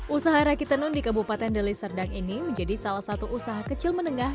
usaha rakitanun di kabupaten deli serdang ini menjadi salah satu usaha kecil menengah